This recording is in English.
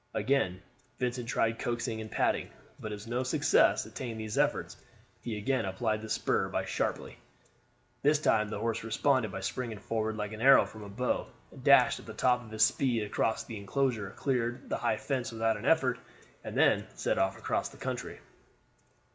Again Vincent tried coaxing and patting, but as no success attended these efforts, he again applied the spur sharply. This time the horse responded by springing forward like an arrow from a bow, dashed at the top of his speed across the inclosure, cleared the high fence without an effort, and then set off across the country.